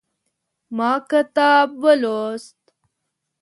ما کتاب ولوست